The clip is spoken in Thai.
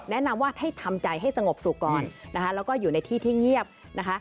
แนะนำว่าให้ทำใจให้สงบสุขก่อนนะคะแล้วก็อยู่ในที่ที่เงียบนะคะ